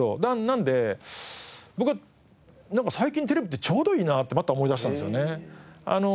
なので僕は最近テレビってちょうどいいなってまた思いだしたんですよね。